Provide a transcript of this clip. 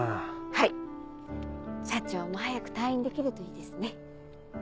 はい社長も早く退院できるといいですね。